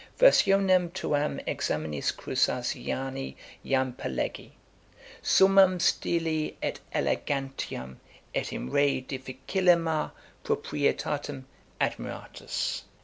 'Versionem tuam Examinis Crousasiani jam perlegi. Summam styli et elegantiam, et in re difficillimâ proprietatem, admiratus.